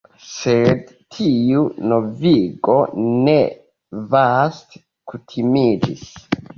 Sed tiu novigo ne vaste kutimiĝis.